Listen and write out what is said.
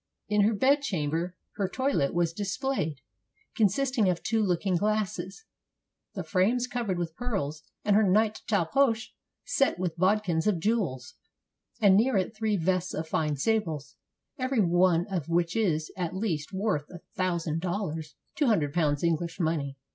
In her bedchamber her toilet was displayed, consisting of two looking glasses, the frames covered with pearls, and her night talpoche set with bodkins of jewels, and near it three vests of fine sables, every one of which is, at least, worth a thousand dollars (two hundred pounds English money).